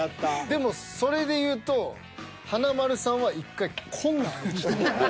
でもそれで言うと華丸さんは１回こんなんありました。